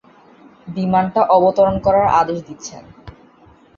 বিমানটা অবতরণ করার আদেশ দিচ্ছেন।